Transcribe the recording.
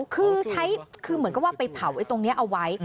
คือเหมือนกันว่าไปเผาไอ้ตรงนี้เอาไว้